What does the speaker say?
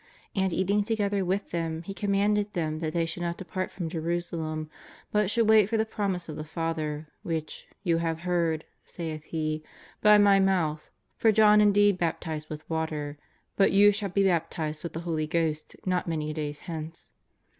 And eating together with. them, He commanded them that they should not depart from Jerusalem, but should wait for the promise of the Father, which '' you have heard," saith He, " by My mouth ; for John indeed bap tised with water, but you shall be baptised with the Holy Ghost not many days hence."